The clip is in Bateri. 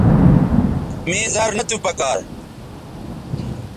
مے زر نہ تو پکار